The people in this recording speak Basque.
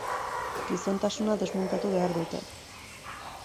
Gizontasuna desmuntatu behar dute.